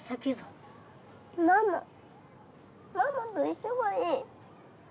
ママママと一緒がいい。